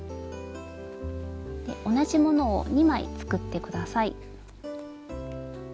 同じものを２枚作って下さい。